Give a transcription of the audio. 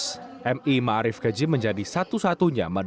sejak dua ribu dua belas mi ma'arif kejim menjadi satu karyawan